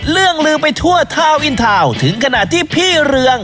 เรื่องลือไปทั่วทาวินทาวน์ถึงขณะที่พี่เรือง